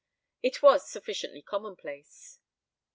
It was sufficiently commonplace.